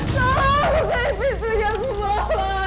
jangan sampai itu dia yang membawa